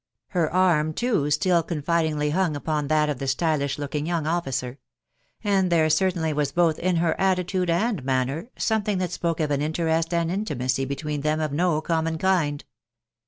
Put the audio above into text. Her arm, too, still con. fidingly hung upon that of the stylish looking young officer ; and there certainly was both in her attitude and manner something that tpoke of an interest and intimacy between them of no common kind.